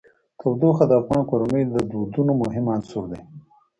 تودوخه د افغان کورنیو د دودونو مهم عنصر دی.